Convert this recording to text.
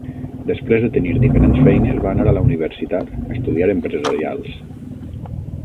Després de tenir diferents feines, va anar a la universitat a estudiar empresarials.